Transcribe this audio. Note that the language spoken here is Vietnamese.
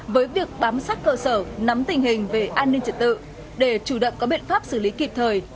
với việc bám sát cơ sở nắm tình hình về an ninh trật tự để chủ động có biện pháp xử lý kịp thời